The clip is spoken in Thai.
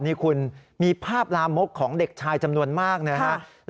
นี่คุณมีภาพลามกของเด็กชายจำนวนมากนะครับ